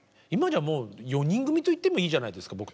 今じゃもう４人組と言ってもいいじゃないですか